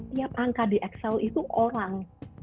tiap angka di excel itu orang